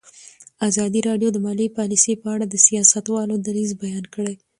ازادي راډیو د مالي پالیسي په اړه د سیاستوالو دریځ بیان کړی.